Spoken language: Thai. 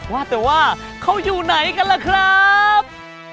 ว่าแต่ว่าเขาอยู่ไหนกันล่ะครับ